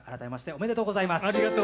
ありがとうございます。